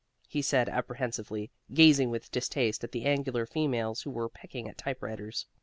he said apprehensively, gazing with distaste at the angular females who were pecking at typewriters.